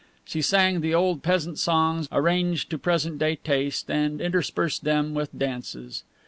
She sang the old peasant songs arranged to present day taste, and interspersed them with dances.